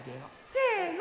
せの！